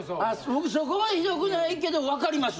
僕そこまでひどくないけどわかります。